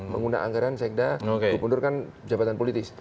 menggunakan anggaran sekda gubernur kan jabatan politis